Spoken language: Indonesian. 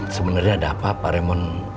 sebenernya ada apa pak raymond